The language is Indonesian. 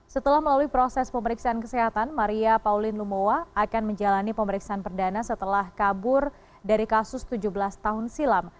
setelah melalui proses pemeriksaan kesehatan maria pauline lumowa akan menjalani pemeriksaan perdana setelah kabur dari kasus tujuh belas tahun silam